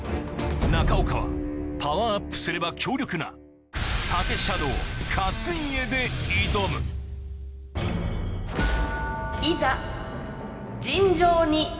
中岡はパワーアップすれば強力な盾シャドウ勝家で挑むいざ。